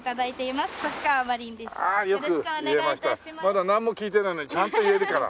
まだ何も聞いてないのにちゃんと言えるから。